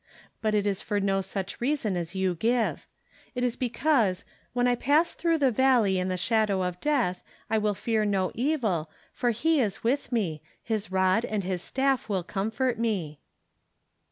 But it is for no such reason as you give. It is because ' when I pass tlrrough the valley and the shadow of death, I will fear no evU, for he is with me, his rod and his staff will comfort me.'